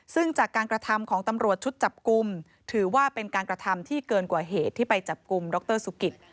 ซึ่งจากการกระทำของตำรวจชุดจับกลุ่มถือว่าเป็นการกระทำที่เกินกว่าเหตุที่ไปจับกลุ่มดรสุกิต